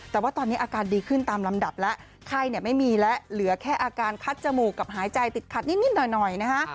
แต่ว่าตอนนี้อาการดีขึ้นตามลำดับแล้วไข้ไม่มีแล้วเหลือแค่อาการคัดจมูกกับหายใจติดขัดนิดหน่อยนะฮะ